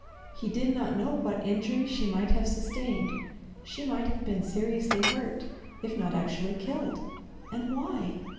He did not know what injury she might have sustained; She might have been seriously hurt, if not actually killed. And why?